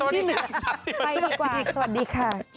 ไปดีกว่าสวัสดีค่ะ